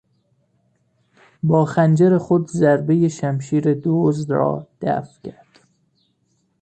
با خنجر خود ضربهی شمشیر دزد را دفع کرد.